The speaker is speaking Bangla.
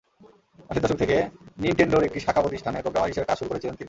আশির দশক থেকে নিনটেনডোর একটি শাখা প্রতিষ্ঠানে প্রোগ্রামার হিসেবে কাজ শুরু করেছিলেন তিনি।